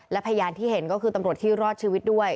และพยานที่เห็นก็คือตำรวจที่รอดชีวิตด้วย